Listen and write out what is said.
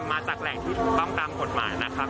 มาจากแหล่งที่ตรงปั้งตามควบหมายนะครับ